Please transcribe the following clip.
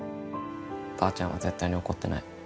ばあちゃんは絶対に怒ってない。